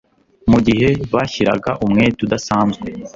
Mu gihe bashyiraga umwete udasanzwe